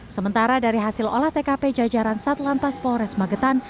sementara dari hasil olah tkp jajaran satlantas polres magetan